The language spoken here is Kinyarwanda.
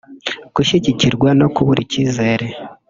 gushyigikirwa no kubura icyizere